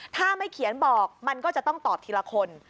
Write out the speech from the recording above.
ถ้าไม่เขียนบอกมันก็จะต้องตอบทีละคน